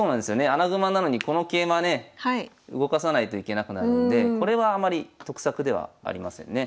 穴熊なのにこの桂馬ね動かさないといけなくなるのでこれはあまり得策ではありませんね。